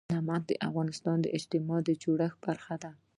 نمک د افغانستان د اجتماعي جوړښت برخه ده.